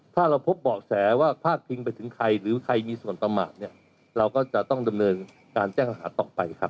ถ้าเราพบเบาะแสว่าพาดพิงไปถึงใครหรือใครมีส่วนประมาทเนี่ยเราก็จะต้องดำเนินการแจ้งอาหารต่อไปครับ